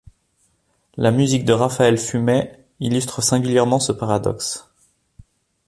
La musique de Raphaël Fumet illustre singulièrement ce paradoxe.